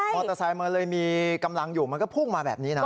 เตอร์ไซค์มันเลยมีกำลังอยู่มันก็พุ่งมาแบบนี้นะ